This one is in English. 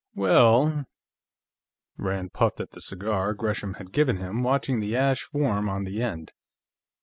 "Well " Rand puffed at the cigar Gresham had given him, watching the ash form on the end.